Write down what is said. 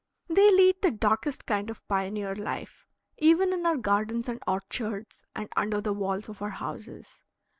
They lead the darkest kind of pioneer life, even in our gardens and orchards, and under the walls of our houses.